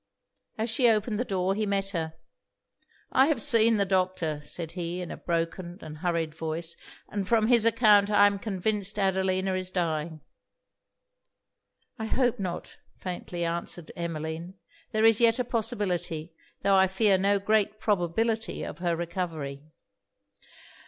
As she opened the door, he met her. 'I have seen the doctor,' said he, in a broken and hurried voice 'and from his account I am convinced Adelina is dying.' 'I hope not,' faintly answered Emmeline. 'There is yet a possibility, tho' I fear no great probability of her recovery.'